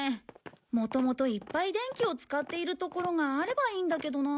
もともといっぱい電気を使っている所があればいいんだけどなあ。